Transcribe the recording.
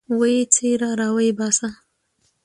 ويې څيره راويې باسه.